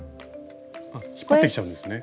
あっ引っ張ってきちゃうんですね。